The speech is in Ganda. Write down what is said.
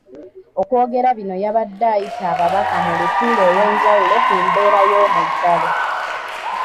Okwogera bino yabadde ayita ababaka mu lutuula olw’enjawulo ku mbeera y’omuggalo.